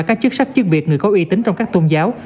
các chức sắc chức việc người có uy tín trong các tôn giáo